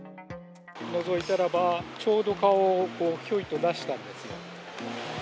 のぞいたらば、ちょうど顔をひょいと出したんですよ。